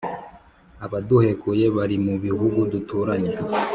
abaduhekuye bari mu bihugu duturanye